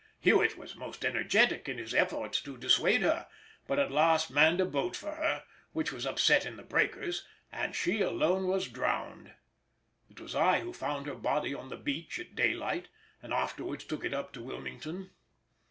Hewett was most energetic in his efforts to dissuade her, but at last manned a boat for her, which was upset in the breakers, and she alone was drowned. It was I who found her body on the beach at daylight, and afterwards took it up to Wilmington.